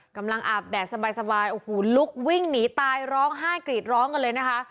อาบแดดสบายโอ้โหลุกวิ่งหนีตายร้องไห้กรีดร้องกันเลยนะคะ